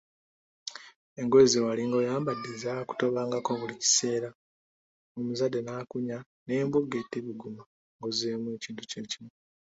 Engoye zewalinga oyambadde zaakutobangako buli kaseera, omuzadde nakunya n'embooge tebuguma nga ozzeemu ekintu kye kimu?